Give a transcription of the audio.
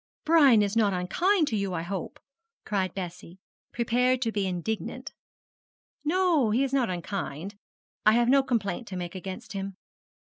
'Brian is not unkind to you, I hope?' cried Bessie, prepared to be indignant. 'No, he is not unkind. I have no complaint to make against him.'